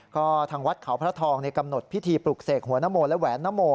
ก็ทางวัดเขาพระทองในกำหนดพิธีปลุกเสกหัวนโมและแหวนนโม